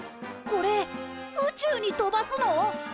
これ宇宙に飛ばすの！？